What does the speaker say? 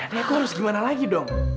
ya nenek kok harus gimana lagi dong